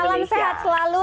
salam sehat selalu